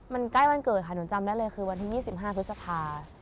มันใกล้วันเกิดค่ะหนูจำได้เลยคือวันที่๒๕พฤษภา